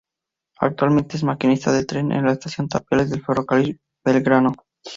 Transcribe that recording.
Actualmente es maquinista de tren en la estación Tapiales del ferrocarril Belgrano.